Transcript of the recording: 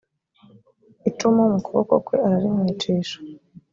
icumu mu kuboko kwe ararimwicisha